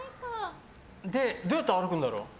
どうやって歩くんだろう。